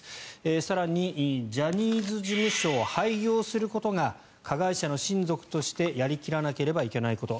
更に、ジャニーズ事務所を廃業することが加害者の親族としてやり切らなければいけないこと。